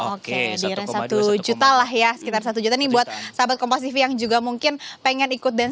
oke di range satu juta lah ya sekitar satu juta nih buat sahabat komposisi yang juga mungkin pengen ikut dan